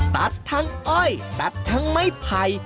ตัดทั้งอ้อยตัดทั้งไม้ไผ่